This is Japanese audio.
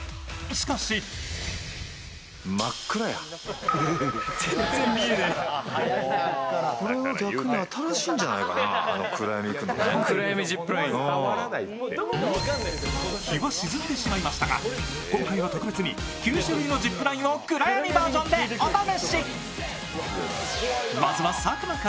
しかし日は沈んでしまいましたが今回は特別に９種類のジップラインを暗闇バージョンでお試し。